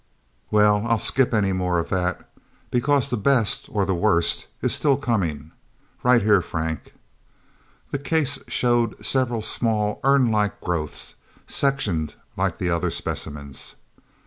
Well, I'll skip any more of that. Because the best or the worst is still coming. Right here, Frank..." The case showed several small, urn like growths, sectioned like the other specimens.